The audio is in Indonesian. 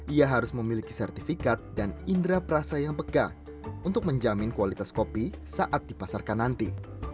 ia harus memiliki sertifikat dan indera perasa yang pegah untuk menjamin kualitas kopi saat dipasarkan nanti